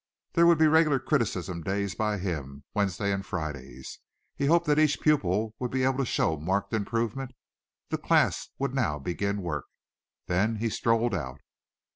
There would be regular criticism days by him Wednesdays and Fridays. He hoped that each pupil would be able to show marked improvement. The class would now begin work. Then he strolled out.